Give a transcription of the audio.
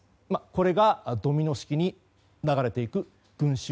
これがドミノ式になだれていく群衆